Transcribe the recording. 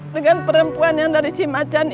dengan perempuan yang dari cimacan